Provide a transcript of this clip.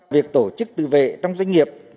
việc tổ chức tự vệ trong doanh nghiệp